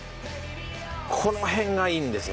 この辺がいいんですよ。